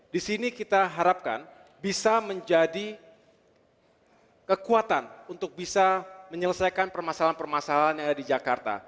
di sini kita harapkan bisa menjadi kekuatan untuk bisa menyelesaikan permasalahan permasalahan yang ada di jakarta